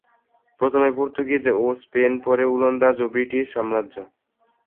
প্রথমে পর্তুগীজ ও স্পেন পরে ওলন্দাজ ও ব্রিটিশ সাম্রাজ্য।